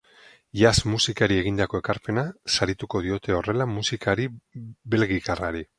Jazz musikari egindako ekarpena sarituko diote horrela musikari belgikarrari.